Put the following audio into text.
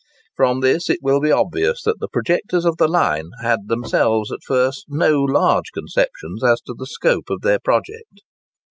From this it will be obvious that the projectors of the line had themselves at first no very large conceptions as to the scope of their project.